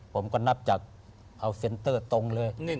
ผมก็นับจากอัลเซ็นเตอร์ตรงเลย